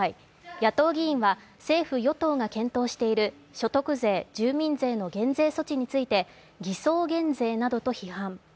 野党議員は政府・与党が検討している所得税・住民税の減税措置について偽装減税などと批判。